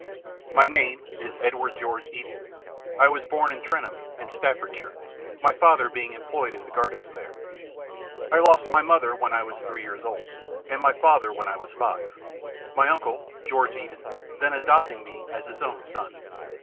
My name is Edward George Eden. I was born at Trentham, in Staffordshire, my father being employed in the gardens there. I lost my mother when I was three years old, and my father when I was five, my uncle, George Eden, then adopting me as his own son.